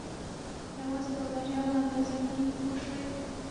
یوازې په بریاوو اندازه کېږي پوه شوې!.